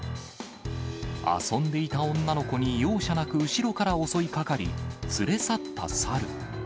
遊んでいた女の子に容赦なく後ろから襲いかかり、連れ去った猿。